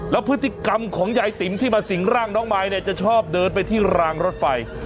แล้วพฤติกรรมของยายติ๋มที่มาสิงร่างน้องมายเนี่ยจะชอบเดินไปที่รางรถไฟ